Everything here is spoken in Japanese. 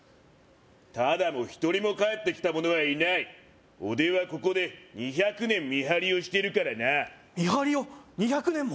ただの一人も帰ってきた者はいない俺はここで２００年見張りをしているからな見張りを２００年も？